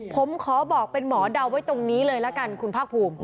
ผมขอบอกเป็นหมอเดาไว้ตรงนี้เลยละกันคุณภาคภูมิ